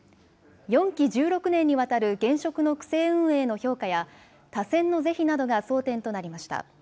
４期１６年にわたる現職の区政運営への評価や多選の是非などが争点となりました。